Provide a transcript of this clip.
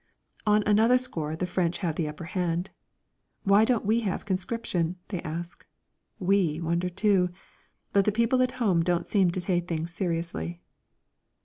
On another score the French have the upper hand. Why don't we have conscription? they ask. We wonder too, but the people at home don't seem to take things seriously.